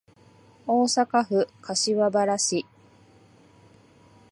大阪府柏原市